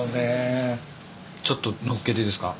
ちょっと載っけていいですか？